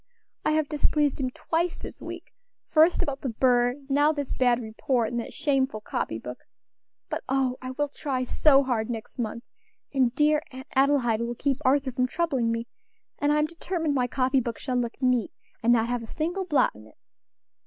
I have displeased him twice this week first about the bird, and now this bad report, and that shameful copy book. But oh! I will try so hard next month, and dear Aunt Adelaide will keep Arthur from troubling me, and I'm determined my copy book shall look neat, and not have a single blot in it.